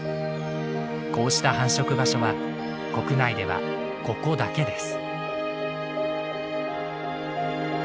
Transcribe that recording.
こうした繁殖場所は国内ではここだけです。